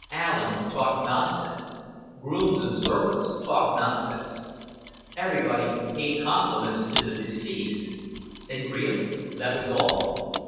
Allen talked nonsense, grooms and servants talked nonsense, everybody paid compliments to the deceased and really that was all.